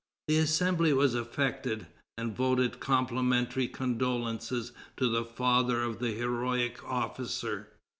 The Assembly was affected, and voted complimentary condolences to the father of the heroic officer.